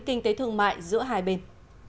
kinh tế thương mại giữa hai bên